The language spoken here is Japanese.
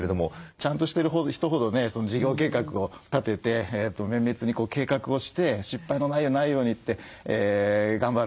ちゃんとしてる人ほどね事業計画を立てて綿密に計画をして失敗のないようにないようにって頑張る。